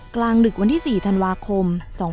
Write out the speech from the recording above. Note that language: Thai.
กลางดึกวันที่๔ธันวาคม๒๕๖๒